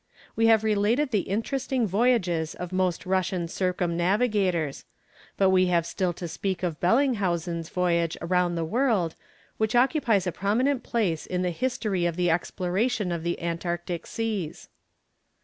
We have related the interesting voyages of most Russian circumnavigators; but we have still to speak of Bellinghausen's voyage round the world, which occupies a prominent place in the history of the exploration of the Antarctic seas.